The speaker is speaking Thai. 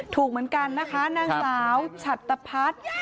ถูกเหมือนกันนะคะนางสาวฉัตตพัฒน์